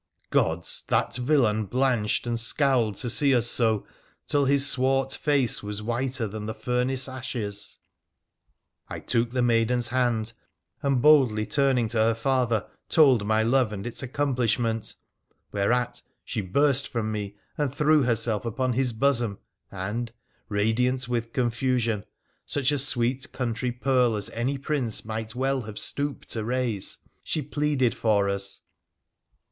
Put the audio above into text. Gods ! that vdlain blanched and scowled to see us so till his swart face was whiter than the furnace ashes ! I took the maiden's hand, and boldly turning to her father told my love and its accomplishment, whereat she bur a from me and threw herself upon his bosom, and, radiant wii.li con fusion, such a sweet country pearl as any Prince might well have stooped to raise, she pleaded for us.